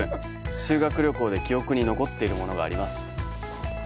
修学旅行で記憶に残っているものがあります。